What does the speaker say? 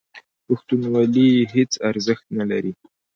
پښتونولي هېڅ ارزښت نه لري.